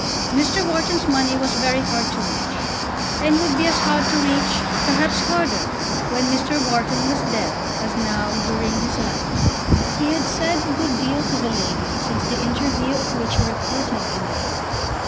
Mr. Wharton's money was very hard to reach, and would be as hard to reach, perhaps harder, when Mr. Wharton was dead, as now, during his life. He had said a good deal to the lady since the interview of which a report has been given.